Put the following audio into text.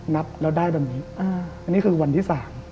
นับแล้วได้ดังนี้อันนี้คือวันที่๓